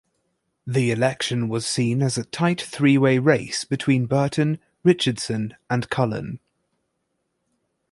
The election was seen as a tight three-way race between Burton, Richardson, and Cullen.